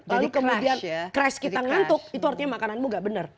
lalu kemudian crash kita ngantuk itu artinya makananmu nggak benar